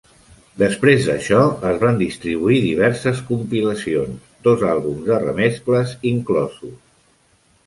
Després d'això, es van distribuir diverses compilacions, dos àlbums de remescles inclosos.